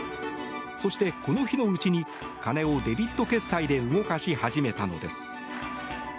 そして、この日のうちに金をデビット決済で動かし始めたのです。